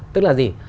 tức là gì